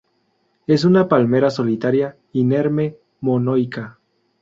Es una palmera solitaria, inerme, monoica.